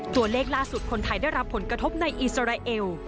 ตัวเลขล่าสุดคนไทยได้รับผลกระทบในอิสราเอล